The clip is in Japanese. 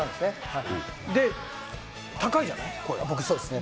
で、高いじゃない。